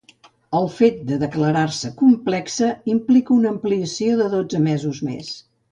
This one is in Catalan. El fet de declarar-se complexa implica una ampliació de dotze mesos més.